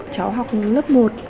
cháu học lớp một